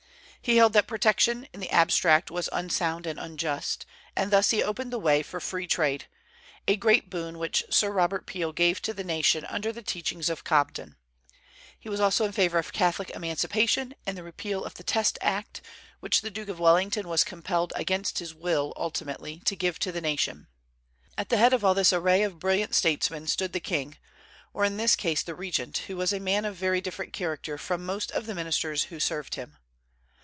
He held that protection, in the abstract, was unsound and unjust; and thus he opened the way for free trade, the great boon which Sir Robert Peel gave to the nation under the teachings of Cobden. He also was in favor of Catholic emancipation and the repeal of the Test Act, which the Duke of Wellington was compelled against his will ultimately to give to the nation. At the head of all this array of brilliant statesmen stood the king, or in this case the regent, who was a man of very different character from most of the ministers who served him.